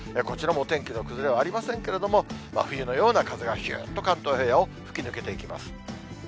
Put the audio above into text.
こちらもお天気の崩れはありませんけれども、真冬のような風が、ひゅーっと関東平野を吹き抜けていきます。